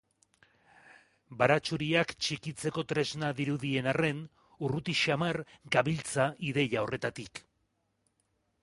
Baratxuriak txikitzeko tresna dirudien arren, urruti xamar gabiltza ideia horretatik.